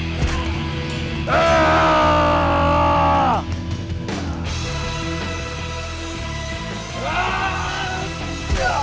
menti saya pegel